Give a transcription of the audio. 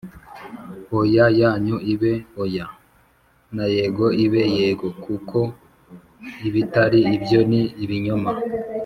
Oya yanyu ibe Oya nay ego ibe yego kuko ibitari ibyo ni ibinyoma